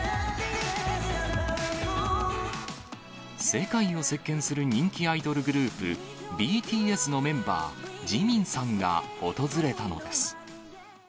世界を席けんする人気アイドルグループ、ＢＴＳのメンバー、ＪＩＭＩＮさんが訪れたのです。